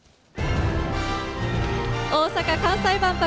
大阪・関西万博